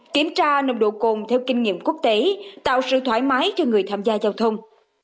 kiểm tra nồng độ cồn theo kinh nghiệm quốc tế tạo sự thoải mái cho người tham gia giao thông